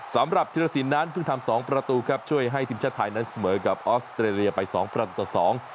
สำหรับธิรสินนั้นเพิ่งทำสองประตูครับช่วยให้ทีมชาติไทยนั้นเสมอกับออสเตรเลียไปสองประตูต่อสอง